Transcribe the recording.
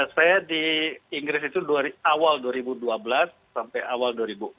saya di inggris itu awal dua ribu dua belas sampai awal dua ribu empat belas